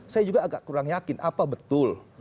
saya juga agak kurang yakin apa betul